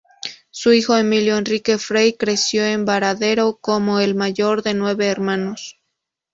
Su hijo Emilio Enrique Frey creció en Baradero como el mayor de nueve hermanos.